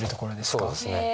そうですね。